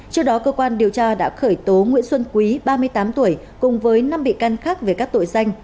trước đó cơ quan điều tra đã khởi tố nguyễn xuân quý ba mươi tám tuổi cùng với năm bị can khác về các tội danh